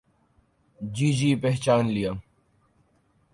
جی جی پہچان لیا۔